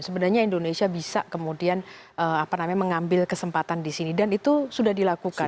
sebenarnya indonesia bisa kemudian mengambil kesempatan di sini dan itu sudah dilakukan